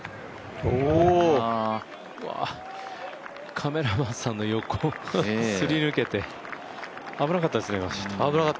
カメラマンさんの横をすり抜けて、危なかったですね。